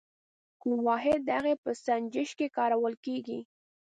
کوم واحد د هغې په سنجش کې کارول کیږي؟